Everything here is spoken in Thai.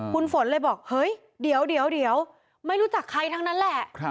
คุณฝนเลยบอกเฮ้ยเดี๋ยวไม่รู้จักใครทั้งนั้นแหละ